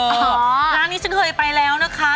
ร้านนี้ฉันเคยไปแล้วนะคะ